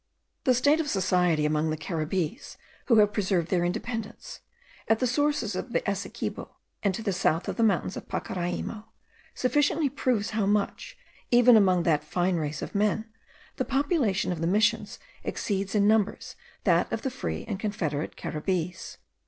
The state of society among the Caribbees who have preserved their independence, at the sources of the Essequibo and to the south of the mountains of Pacaraimo, sufficiently proves how much, even among that fine race of men, the population of the Missions exceeds in number that of the free and confederate Caribbees.